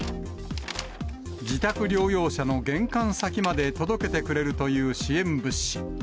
自宅療養者の玄関先まで届けてくれるという支援物資。